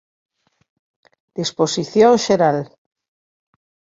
Disposición xeral